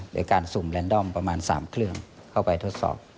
หรือการสุ่มแลนดอมประมาณ๓เครื่องเข้าไปทดสอบ